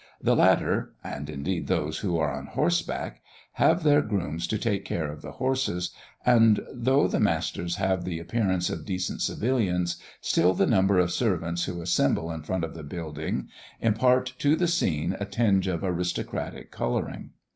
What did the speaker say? The latter and, indeed, those who are on horseback have their grooms to take care of the horses; and though the masters have the appearance of decent civilians, still the number of servants who assemble in front of the building, impart to the scene a tinge of aristocratic colouring.